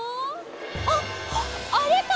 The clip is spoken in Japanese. あっあれか！